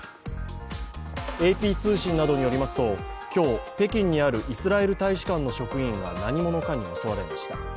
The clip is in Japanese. ＡＰ通信などによりますと今日、北京にあるイスラエル大使館の職員が何者かに襲われました。